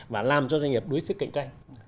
và làm cho doanh nghiệp đối xức cạnh tranh